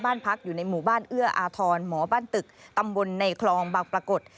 บ้านพักอยู่ในหมู่บ้านเอื้ออาทรหมอบ้านตึกตำบลในคลองบางปรากฏ